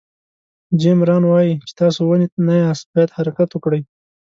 جیم ران وایي چې تاسو ونې نه یاست باید حرکت وکړئ.